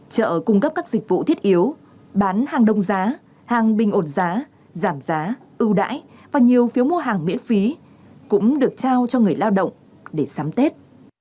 trợ cung cấp các dịch vụ thiết yếu bán hàng đông giá hàng bình ổn giá giảm giá ưu đãi và nhiều phiếu mua hàng miễn phí cũng được trao cho người lao động để sắm tết